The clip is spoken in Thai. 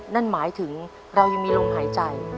นั่นหมายถึงเรายังมีลมหายใจ